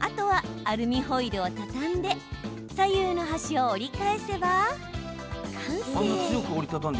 あとはアルミホイルを畳んで左右の端を折り返せば完成。